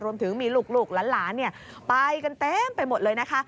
รวมถึงมีลูกหลานไปกันเต็มไปหมดเลยนะคะ